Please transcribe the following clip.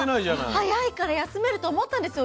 朝早いから休めると思ったんですよ